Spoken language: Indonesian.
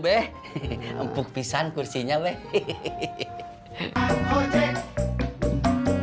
be empuk pisan kursinya weh hehehe